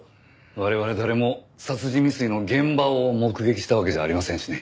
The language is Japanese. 我々誰も殺人未遂の現場を目撃したわけじゃありませんしね。